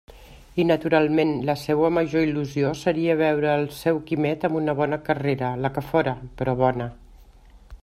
I naturalment, la seua major il·lusió seria veure el seu Quimet amb una bona carrera, la que fóra, però bona.